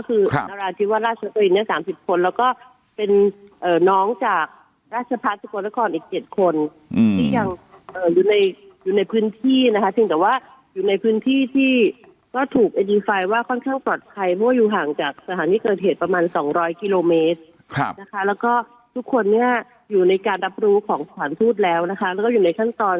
คือว่าราชนตรีเนี้ยสามสิบคนแล้วก็เป็นเอ่อน้องจากราชพัฒน์ทุกคนแล้วก่อนอีกเจ็ดคนอืมที่ยังเอ่ออยู่ในอยู่ในพื้นที่นะคะสิ่งแต่ว่าอยู่ในพื้นที่ที่ก็ถูกว่าค่อนข้างปลอดภัยพวกอยู่ห่างจากสถานที่เกิดเหตุประมาณสองร้อยกิโลเมตรค่ะนะคะแล้วก็ทุกคนเนี้ยอยู่ในการรับรู้ของสถานทูตแล้วนะคะแล้วก็อยู่ในขั้นตอน